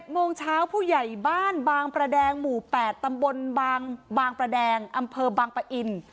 โมงเช้าผู้ใหญ่บ้านบางประแดงหมู่๘ตำบลบางประแดงอำเภอบางปะอิน